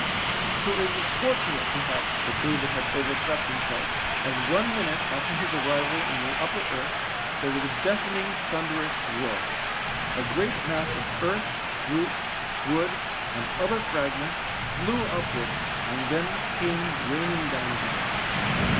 So it was fortunate perhaps that David had overslept himself, as one minute after his arrival in the upper earth there was a deafening thunderous roar. A great mass of earth, roots, wood, and other fragments flew upwards and then came rain ing down again.